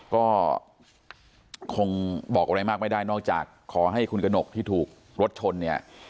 ก็คงบอกอะไรมากไม่ได้นอกจากขอให้คุณกระหนกที่ถูกรถชนเนี่ย